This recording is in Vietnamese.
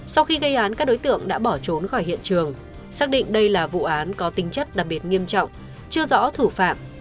sau khi gây án các đối tượng đã bỏ trốn khỏi hiện trường xác định đây là vụ án có tinh chất đặc biệt nghiêm trọng chưa rõ thủ phạm